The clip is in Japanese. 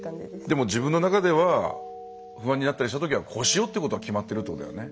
でも自分の中では不安になったりしたときにはこうしようってことは決まってるってことだよね。